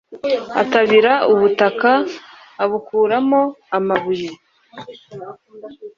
atabira ubutaka, abukuramo amabuye